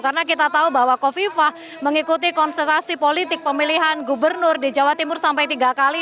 karena kita tahu bahwa kofifah mengikuti konsentrasi politik pemilihan gubernur di jawa timur sampai tiga kali